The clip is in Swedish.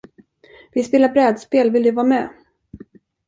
Vi spelar brädspel vill du vara med?